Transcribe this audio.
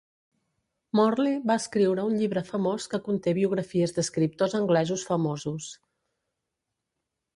Morley va escriure un llibre famós que conté biografies d'escriptors anglesos famosos.